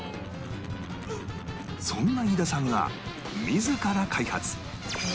そんな飯田さんが自ら開発